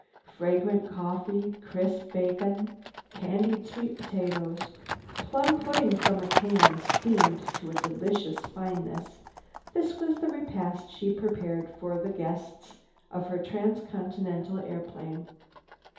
Fragrant coffee, crisp bacon, candied sweet potatoes, plum pudding from a can, steamed to a delicious fineness—this was the repast she prepared for the guests of her trans continental airplane.